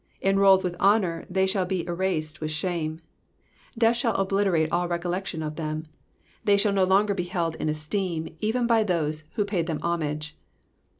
Enrolled with honour, they shall be erased with shame. Death shall obliterate all recollection of them ; they shall be held na longer in esteem, even by those who paid them homage.